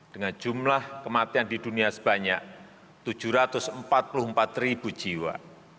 dengan jumlah kematian di dunia sebanyak tujuh ratus empat puluh empat ribu jiwa